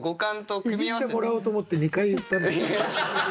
いじってもらおうと思って２回言ったね。